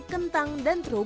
kentang dan terungu